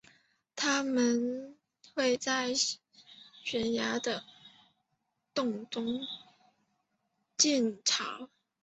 它们会在悬崖的洞中筑巢。